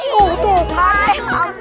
tuh tuh kare